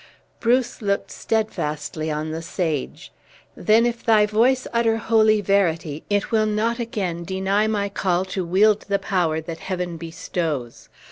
Bruce looked steadfastly on the sage: "Then if thy voice utter holy verity, it will not again deny my call to wield the power that Heaven bestows!